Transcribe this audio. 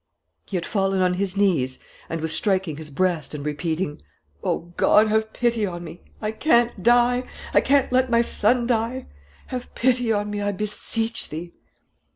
He had fallen on his knees and was striking his breast and repeating: "O God, have pity on me! I can't die! I can't let my son die! Have pity on me, I beseech Thee!"